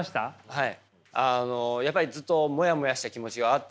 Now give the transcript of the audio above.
はい。